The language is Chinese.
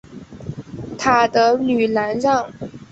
塔德吕兰让。